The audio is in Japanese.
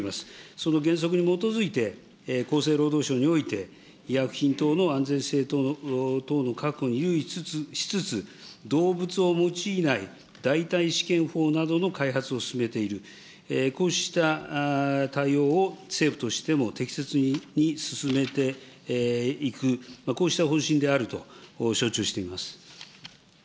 その原則に基づいて、厚生労働省において、医薬品等の安全性等の確保に留意しつつ、動物を用いない代替試験法などの開発を進めている、こうした対応を、政府としても適切に進めていく、こうした方針であると承知をしています。